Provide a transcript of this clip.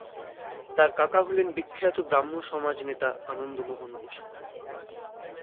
তার কাকা হলেন বিখ্যাত ব্রাহ্ম সমাজ নেতা আনন্দমোহন বসু।